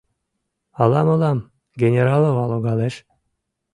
— Ала мылам Генералова логалеш?